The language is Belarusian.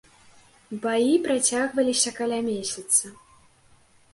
Баі працягваліся каля месяца.